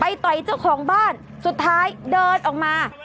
ต่อยเจ้าของบ้านสุดท้ายเดินออกมา